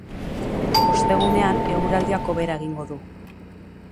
Ostegunean, eguraldiak hobera egingo du.